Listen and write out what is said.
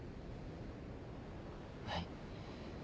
はい。